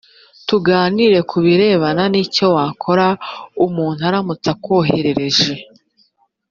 tuganire ku birebana n icyo wakora umuntu aramutse akoherereje